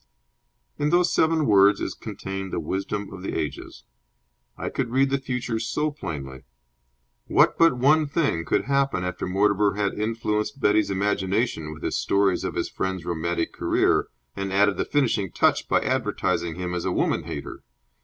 In those seven words is contained the wisdom of the ages. I could read the future so plainly. What but one thing could happen after Mortimer had influenced Betty's imagination with his stories of his friend's romantic career, and added the finishing touch by advertising him as a woman hater?